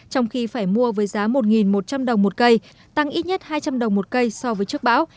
trong khi phải mua với giá một một trăm linh đồng một cây tăng ít nhất hai trăm linh đồng một cây so với trước bão